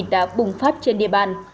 đã bùng phát trên địa bàn